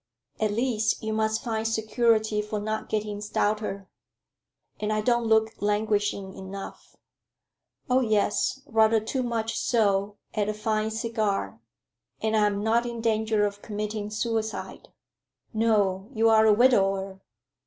At least you must find security for not getting stouter." "And I don't look languishing enough?" "Oh, yes rather too much so at a fine cigar." "And I am not in danger of committing suicide?" "No; you are a widower."